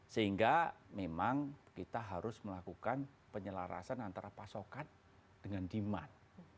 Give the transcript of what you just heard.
sehingga memang kita harus melakukan penyelarasan antara pasokan dengan demand